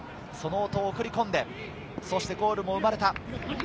その大戸を送り込んでゴールも生まれた。